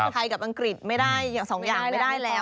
ไทยกับอังกฤษ๒อย่างไม่ได้แล้ว